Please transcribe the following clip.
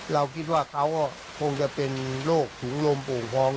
เราคิดว่าเขาก็คงจะเป็นโรคถุงลมโป่งพอง